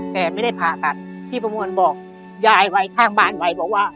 แต่ไม่ได้ผ่าตัดพี่ประมวลบอกยายไว้ข้างบ้านไว้บอกว่า